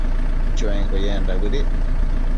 Chuenquio yendac bëdic